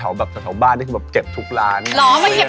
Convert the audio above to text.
สามีเขาเป็นคนคุ้มจุดอาหารอร่อย